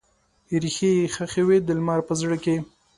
ریښې یې ښخې وي د لمر په زړه کې